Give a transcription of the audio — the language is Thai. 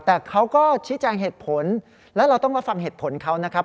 แต่เขาก็ชี้แจงเหตุผลและเราต้องรับฟังเหตุผลเขานะครับ